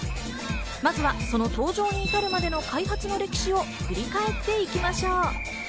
まずはその登場に至るまでの開発の歴史を振り返っていきましょう。